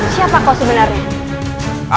siapa kau sebenarnya